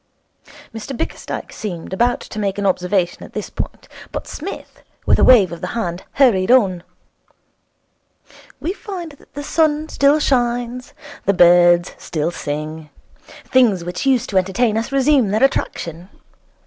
Mr Bickersdyke seemed about to make an observation at this point, but Psmith, with a wave of the hand, hurried on. 'We find that the sun still shines, the birds still sing. Things which used to entertain us resume their attraction.